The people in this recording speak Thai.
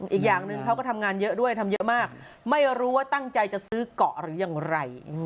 อีกอย่างหนึ่งเขาก็ทำงานเยอะด้วยทำเยอะมากไม่รู้ว่าตั้งใจจะซื้อเกาะหรือยังไร